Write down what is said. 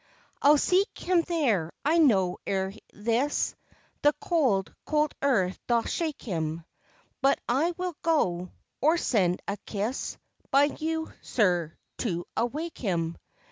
I'll seek him there; I know, ere this, The cold, cold earth doth shake him; But I will go, or send a kiss By you, sir, to awake him.